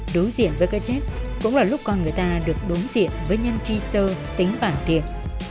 đối diện với cái chết cũng là lúc con người ta được đối diện với nhân truy sơ tính bản tiện